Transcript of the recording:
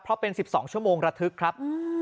เพราะเป็น๑๒ชั่วโมงระทึกครับ